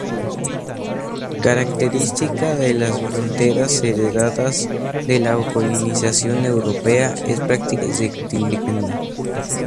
Característica de las fronteras heredadas de la colonización europea, es prácticamente rectilínea.